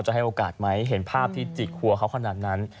ให้โอกาสไหมเห็นภาพที่จิกหัวเขาขนาดนั้น